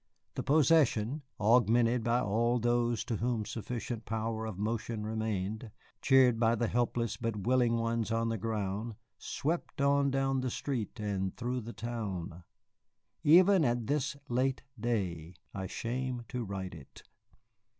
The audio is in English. The procession, augmented by all those to whom sufficient power of motion remained, cheered by the helpless but willing ones on the ground, swept on down the street and through the town. Even at this late day I shame to write it!